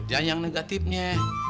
jangan yang negatifnya